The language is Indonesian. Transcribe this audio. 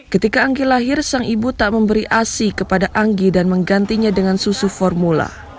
ketika anggi lahir sang ibu tak memberi asi kepada anggi dan menggantinya dengan susu formula